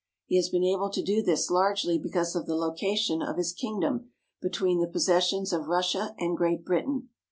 He has been able to do this largely because of the location of his kingdom between the possessions of Russia and Great Britain.